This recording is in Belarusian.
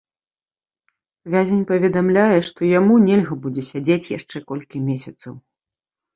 Вязень паведамляе, што яму нельга будзе сядзець яшчэ колькі месяцаў.